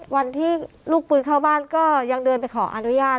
วันที่ลูกปืนเข้าบ้านก็ยังเดินไปขออนุญาต